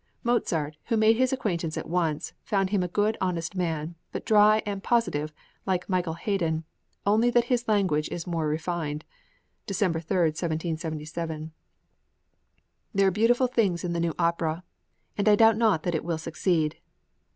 Mozart, who made his acquaintance at once, found him a good, honest man, but dry and positive like Michael Haydn, "only that his language is more refined (December 3, 1777). "There are beautiful things in the new opera, and I doubt not that it will succeed.